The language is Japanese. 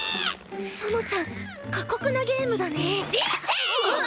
そのちゃん過酷なゲームだね。